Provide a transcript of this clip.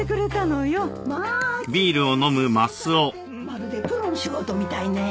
まるでプロの仕事みたいね。